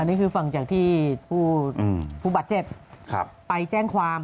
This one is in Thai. นี่คือฟังจากที่ผู้บาดเจ็บไปแจ้งความ